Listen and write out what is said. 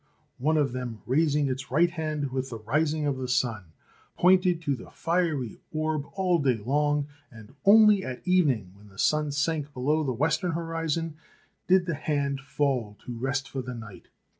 One of them, raising its right hand with the rising of the sun, pointed to the fiery orb all day long, and only at evening, when the sun sank below the western horizon, did the hand fall to rest for the night.